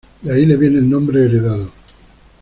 De ahí le viene el nombre heredado.